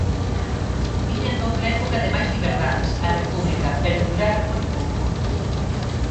Viñan doutra época de máis liberdades, a República, pero durara moi pouco.